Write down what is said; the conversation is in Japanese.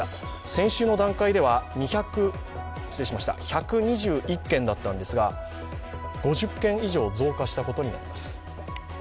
先週の段階では１２１件だったんですが５０件以上増加したことになります。